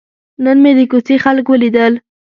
نن مې د کوڅې خلک ولیدل.